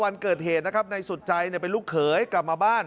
วันเกิดเหตุนะครับในสุดใจเป็นลูกเขยกลับมาบ้าน